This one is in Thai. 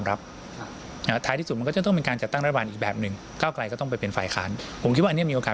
อาจารย์เจ้าเกษมเนี่ย